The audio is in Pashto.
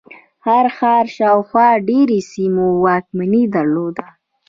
هر ښار شاوخوا ډېرو سیمو واکمني درلوده.